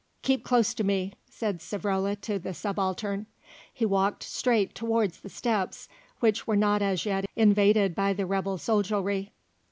"Keep close to me," said Savrola to the Subaltern. He walked straight towards the steps which were not as yet invaded by the rebel soldiery.